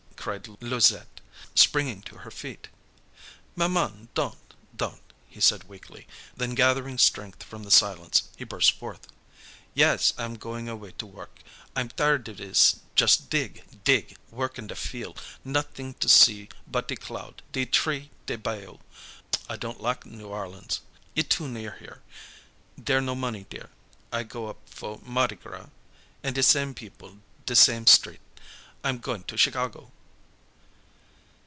cried Louisette, springing to her feet. "Maman, don't, don't!" he said weakly; then gathering strength from the silence, he burst forth: "Yaas, I 'm goin' away to work. I 'm tired of dis, jus' dig, dig, work in de fiel', nothin' to see but de cloud, de tree, de bayou. I don't lak' New Orleans; it too near here, dere no mo' money dere. I go up fo' Mardi Gras, an' de same people, de same strit'. I'm goin' to Chicago!"